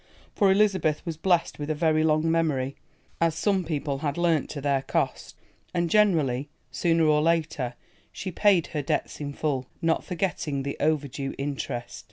For Elizabeth was blessed with a very long memory, as some people had learnt to their cost, and generally, sooner or later, she paid her debts in full, not forgetting the overdue interest.